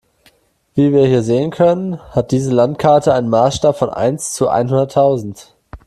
Wie wir hier sehen können, hat diese Landkarte einen Maßstab von eins zu einhunderttausend.